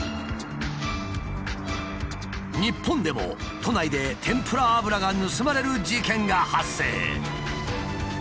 日本でも都内で天ぷら油が盗まれる事件が発生。